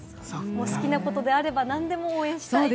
好きなことであれば何でも応援したいと。